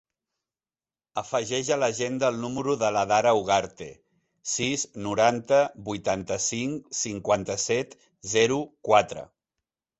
Afegeix a l'agenda el número de l'Adara Ugarte: sis, noranta, vuitanta-cinc, cinquanta-set, zero, quatre.